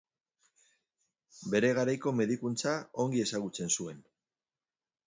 Bere garaiko medikuntza ongi ezagutzen zuen.